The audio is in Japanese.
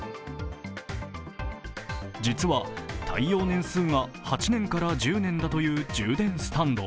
実は耐用年数が８年から１０年だという充電スタンド。